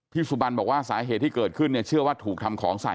สุบันบอกว่าสาเหตุที่เกิดขึ้นเนี่ยเชื่อว่าถูกทำของใส่